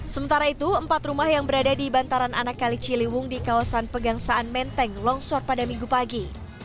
sementara itu empat rumah yang berada di bantaran anak kali ciliwung di kawasan pegangsaan menteng longsor pada minggu pagi